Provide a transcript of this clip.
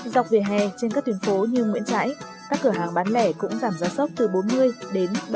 dọc vỉa hè trên các tuyến phố như nguyễn trãi các cửa hàng bán lẻ cũng giảm giá sốc từ bốn mươi đến ba mươi